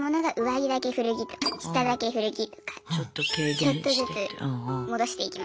ちょっとずつ戻していきましたね。